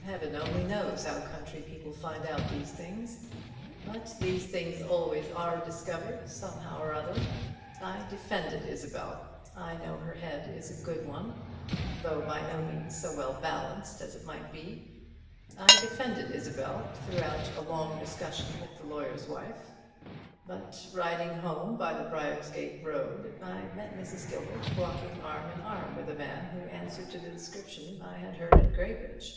Heaven only knows how country people find out these things; but these things always are discovered somehow or other. I defended Isabel, I know her head is a good one, though by no means so well balanced as it might be, I defended Isabel throughout a long discussion with the lawyer's wife; but riding home by the Briargate Road, I met Mrs. Gilbert walking arm in arm with a man who answered to the description I had heard at Graybridge."